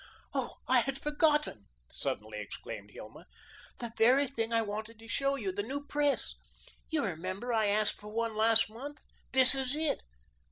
"Oh, I had forgotten," suddenly exclaimed Hilma, "the very thing I wanted to show you the new press. You remember I asked for one last month? This is it.